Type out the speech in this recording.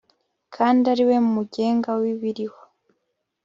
kandi ari we mugenga w'ibiriho